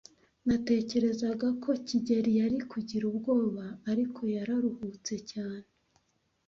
Natekerezaga ko kigeli yari kugira ubwoba, ariko yararuhutse cyane.